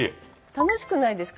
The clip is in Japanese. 楽しくないですか？